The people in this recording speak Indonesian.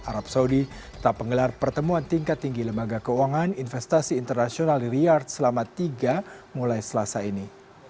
arab saudi tetap menggelar pertemuan tingkat tinggi lembaga keuangan investasi internasional di riyad selama tiga mulai selasa ini